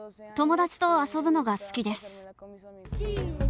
友だちと遊ぶのが好きです。